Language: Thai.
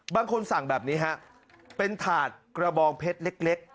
บางคนสั่งแบบนี้ฮะเป็นถาดกระบองเพชรเล็ก